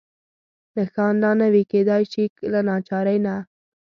نښان لا نه وي، کېدای شي له ناچارۍ نه.